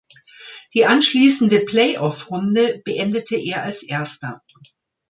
Die anschließende Play-off-Runde beendete er als Erster.